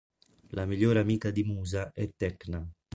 La migliore amica di Musa è Tecna.